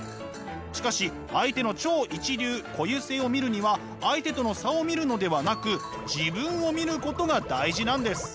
しかし相手の「超一流」「固有性」を見るには相手との差を見るのではなく「自分」を見ることが大事なんです！